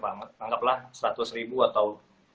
anggaplah seratus ribu atau